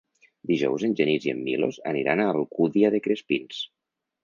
Dijous en Genís i en Milos aniran a l'Alcúdia de Crespins.